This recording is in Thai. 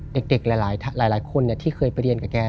เด็กหลายคนเนี่ยที่เคยไปเรียนกับแก